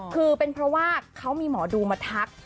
คือเป็นเพราะว่าเขามีหมอดูมาทัก